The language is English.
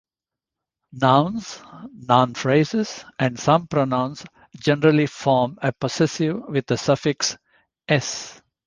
Nouns, noun phrases and some pronouns generally form a possessive with the suffix 's'.